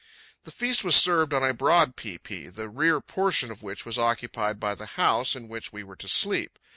The feast was served on a broad pae pae, the rear portion of which was occupied by the house in which we were to sleep.